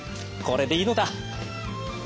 これでいいのだ！